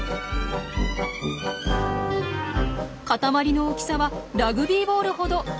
塊の大きさはラグビーボールほど。